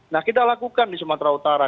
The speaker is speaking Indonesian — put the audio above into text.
nah kita lakukan di sumatera utara